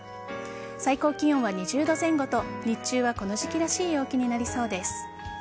最高気温は２０度前後と日中はこの時期らしい陽気になりそうです。